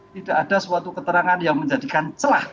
tidak ada suatu keterangan yang menjadikan celah